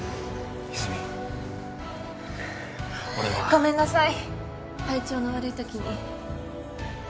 ごめんなさい体調の悪いときに。